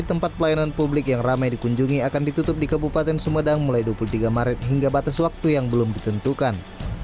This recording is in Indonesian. tempat pelayanan publik yang ramai dikunjungi akan ditutup di kabupaten sumedang mulai dua puluh tiga maret hingga batas waktu yang belum ditentukan